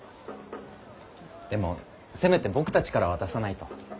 でもせめて僕たちから渡さないと。